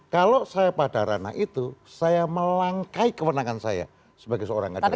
kalau saya pada ranah itu saya melangkai kewenangan saya sebagai seorang kader